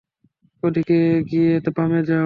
ওদিকে গিয়ে বামে যাও।